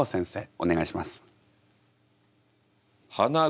お願いします。